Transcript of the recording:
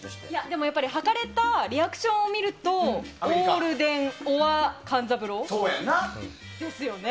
でもやっぱり履かれたリアクションを見るとオールデンか勘三郎ですよね。